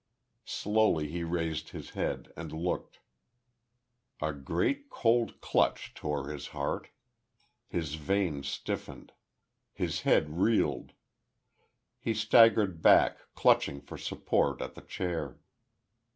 Slowly he raised his head, and looked.... A great, cold clutch tore his heart. His veins stiffened. His head reeled. He staggered, back, clutching for support, at the chair.